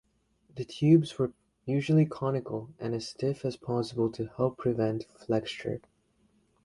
The tubes were usually conical and as stiff as possible to help prevent flexure.